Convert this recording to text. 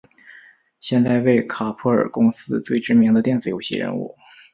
现在为卡普空公司最知名的电子游戏人物。